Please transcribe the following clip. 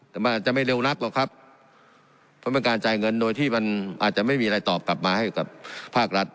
แต่มันอาจจะไม่เร็วนักหรอกครับเพราะเป็นการจ่ายเงินโดยที่มันอาจจะไม่มีอะไรตอบกลับมาให้กับภาครัฐ